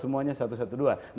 untuk nomor pengaduan